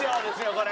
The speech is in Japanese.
これ。